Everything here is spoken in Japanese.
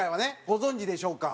ご存じでしょうか？